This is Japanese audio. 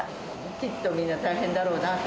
きっとみんな大変だろうなと。